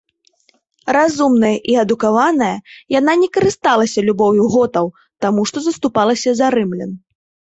Разумная і адукаваная, яна не карысталася любоўю готаў, таму што заступалася за рымлян.